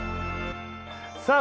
さあ